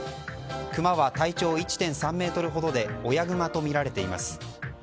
クマは体長１．３ｍほどで親グマとみられています。